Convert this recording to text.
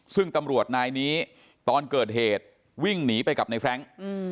ซึ่งตำรวจนายนี้ตอนเกิดเหตุวิ่งหนีไปกับในแฟรงค์